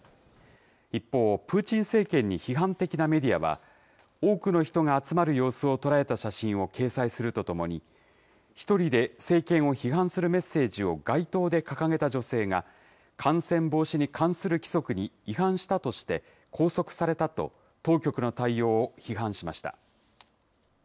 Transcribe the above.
一方、プーチン政権に批判的なメディアは、多くの人が集まる様子を捉えた写真を掲載するとともに、１人で政権を批判するメッセージを街頭で掲げた女性が、感染防止に関する規則に違反したとして、拘束されたと当局の対応を批判しました。